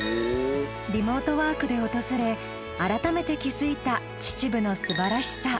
リモートワークで訪れ改めて気づいた秩父のすばらしさ。